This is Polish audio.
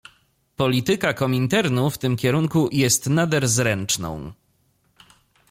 "Polityka Kominternu w tym kierunku jest nader zręczną."